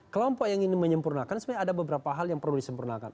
kelompok yang ingin menyempurnakan sebenarnya ada beberapa hal yang perlu disempurnakan